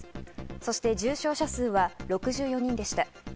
そして重症者数は６４人でした。